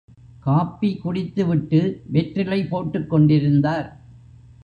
Copy குடித்துவிட்டு வெற்றிலை போட்டுக்கொண்டிருந்தார்.